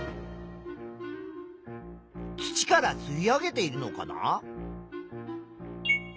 土からすい上げているのかな？